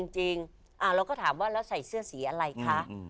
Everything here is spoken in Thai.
จริงเราก็ถามว่าเราใส่เสื้อสีอะไรคะ